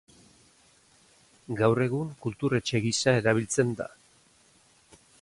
Gaur egun Kultur Etxe gisa erabiltzen da.